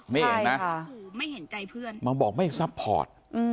ไม่เห็นนะมาบอกไม่ซัพพอร์ต